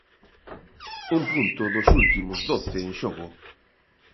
Un punto dos últimos doce en xogo.